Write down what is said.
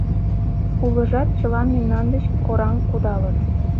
Улыжат чылан мемнан деч кораҥ кудалыт.